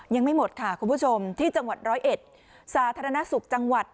ยังไม่หมดค่ะคุณผู้ชมที่จังหวัดร้อยเอ็ดสาธารณสุขจังหวัด